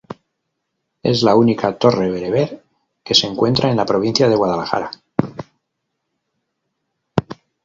Es la única torre bereber que se encuentra en la provincia de Guadalajara.